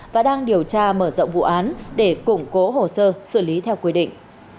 và đang điều tra mở rộng vụ án để củng cố hồ sơ xử lý theo quy định